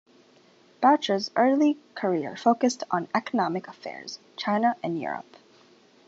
Boucher's early career focused on economic affairs, China and Europe.